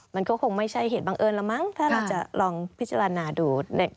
มันก็คงไม่ใช่เหตุบังเอิญแล้วมั้งถ้าเราจะลองพิจารณาดู